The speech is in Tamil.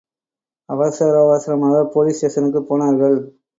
அவசர அவசரமாக போலீஸ் ஸ்டேஷனுக்குப் போனார்கள்.